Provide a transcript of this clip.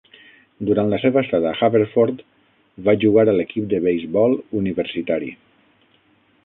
Durant la seva estada a Haverford, va jugar a l'equip de beisbol universitari.